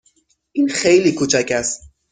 این خیلی کوچک است.